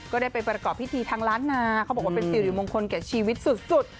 ได้ไปประกอบพิธีทางล้านนาเขาบอกว่าเป็นสิริมงคลแก่ชีวิตสุด